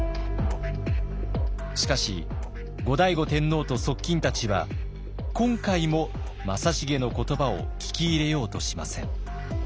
しかし後醍醐天皇と側近たちは今回も正成の言葉を聞き入れようとしません。